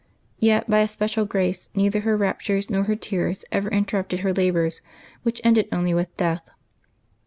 Yet, by a special grace, neither her raptures nor her tears ever interrupted her labors, which ended only with death.